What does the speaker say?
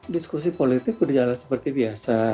diskusi politik berjalan seperti biasa